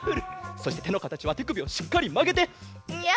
そしててのかたちはてくびをしっかりまげて！